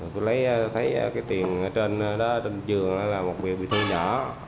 tôi lấy tôi thấy cái tiền trên đó trên giường đó là một bịa thư nhỏ